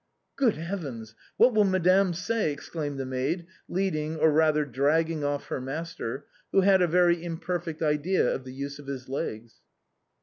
" Good heavens ! what will madame say ?" exclaimed the maid, leading, or rather dragging oiï her master, who had a very imperfect idea of the use of his legs.